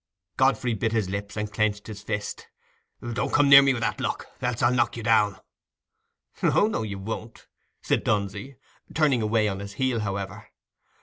Godfrey bit his lips and clenched his fist. "Don't come near me with that look, else I'll knock you down." "Oh no, you won't," said Dunsey, turning away on his heel, however.